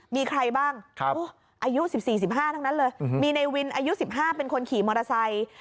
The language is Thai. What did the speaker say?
มีใครบ้างอายุ๑๔๑๕ทั้งนั้นเลยมีในวินอายุ๑๕เป็นคนขี่มอเตอร์ไซค์